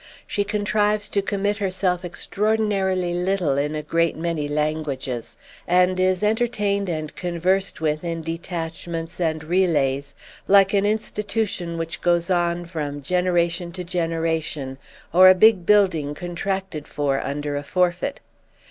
She contrives to commit herself extraordinarily little in a great many languages, and is entertained and conversed with in detachments and relays, like an institution which goes on from generation to generation or a big building contracted for under a forfeit.